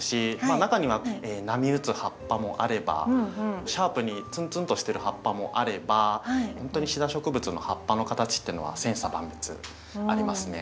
あ中には波打つ葉っぱもあればシャープにツンツンとしてる葉っぱもあればほんとにシダ植物の葉っぱの形っていうのは千差万別ありますね。